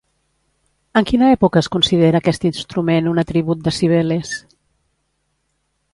En quina època es considera aquest instrument un atribut de Cibeles?